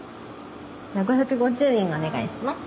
では５５０円お願いします。